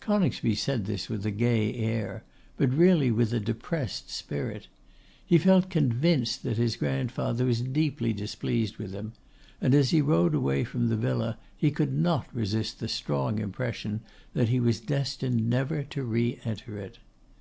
Coningsby said this with a gay air, but really with a depressed spirit. He felt convinced that his grandfather was deeply displeased with him; and as he rode away from the villa, he could not resist the strong impression that he was destined never to re enter it.